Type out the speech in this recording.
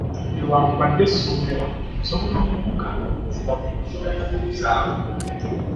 Newankubadde soogera, nsobola okukugamba amazima buli lw'oneebuuzaako.